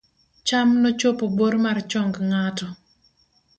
cham nochopo bor mar chong ng'ato